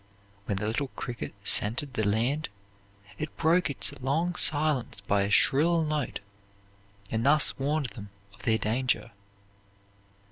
When the little insect scented the land, it broke its long silence by a shrill note, and thus warned them of their danger.